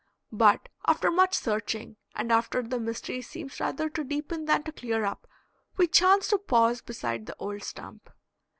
But after much searching, and after the mystery seems rather to deepen than to clear up, we chance to pause beside the old stump.